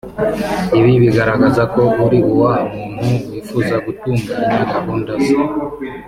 Ibi bigaragaza ko uri wa muntu wifuza gutunganya gahunda ze